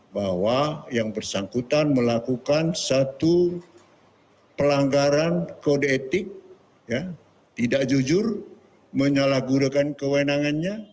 bahwa yang bersangkutan melakukan satu pelanggaran kode etik tidak jujur menyalahgunakan kewenangannya